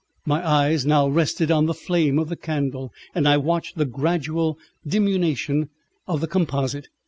My eyes now rested on the flame of the candle, and I watched the gradual diminution of the composite.